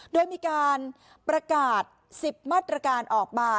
โดยมีการประกาศ๑๐มาตรการออกมา